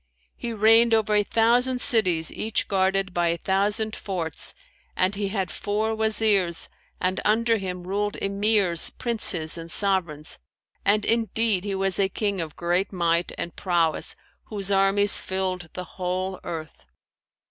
He reigned over a thousand cities each guarded by a thousand forts and he had four Wazirs and under him ruled Emirs, Princes and Sovereigns; and indeed he was a King of great might and prowess whose armies filled the whole earth.